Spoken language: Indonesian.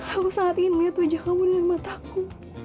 aku sangat ingin lihat ujianmu dengan mataku